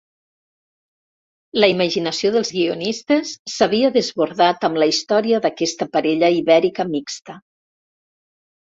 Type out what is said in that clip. La imaginació dels guionistes s'havia desbordat amb la història d'aquesta parella ibèrica mixta.